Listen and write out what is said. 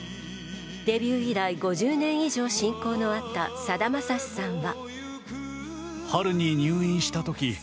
デビュー以来５０年以上親交のあったさだまさしさんは。